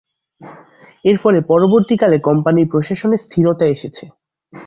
এরফলে পরবর্তীকালে কোম্পানির প্রশাসনে স্থিরতা এসেছে।